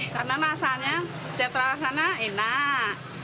karena rasanya setiap rasanya enak